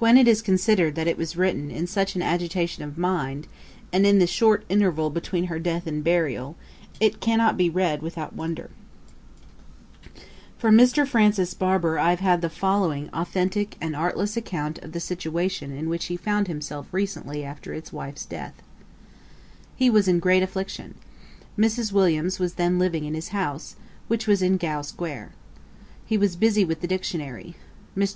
When it is considered that it was written in such an agitation of mind, and in the short interval between her death and burial, it cannot be read without wonder. From Mr. Francis Barber I have had the following authentick and artless account of the situation in which he found him recently after his wife's death: [Page 242: Johnson's friends in 1752.] He was in great affliction. Mrs. Williams was then living in his house, which was in Gough square. He was busy with the Dictionary. Mr.